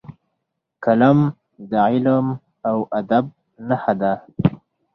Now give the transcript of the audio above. قلم د علم او ادب نښه ده